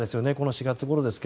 ４月ごろですが。